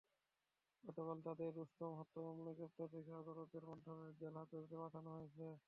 গতকাল তাঁদের রুস্তম হত্যা মামলায় গ্রেপ্তার দেখিয়ে আদালতের মাধ্যমে জেলহাজতে পাঠানো হয়েছে।